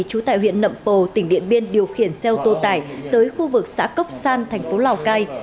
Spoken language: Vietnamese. chú tại huyện nậm pồ tỉnh điện biên điều khiển xeo tô tải tới khu vực xã cốc san thành phố lào cai